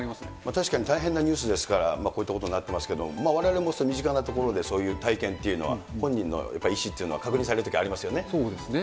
確かに大変なニュースですから、こういったことになってますけども、われわれ、身近なところでそういう体験っていうのは、本人の意思というのは確認されるときありますよね。